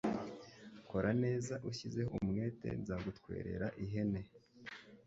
Kora neza ushyizeho umwete nzagutwerera ihene